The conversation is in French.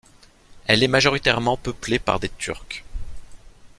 Elle est majoritairement peuplée par des Turcs.